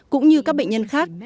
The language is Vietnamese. cũng như các bệnh nhân khác